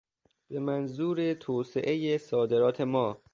به منظور توسعهی صادرات ما